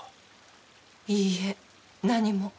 いいえ何も。